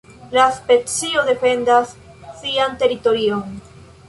La specio defendas sian teritorion.